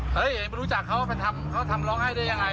เฮ้ยไม่รู้จักเขาเขาทำร้องไห้ได้อย่างไร